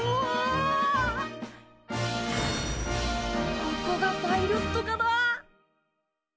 ここがパイロット科だ。